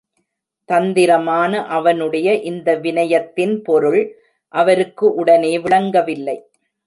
தந்திரமான அவனுடைய இந்த விநயத்தின் பொருள் அவருக்கு உடனே விளங்கவில்லை.